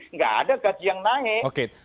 nggak ada gaji yang naik